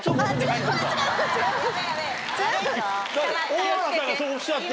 大原さんがそうおっしゃってる。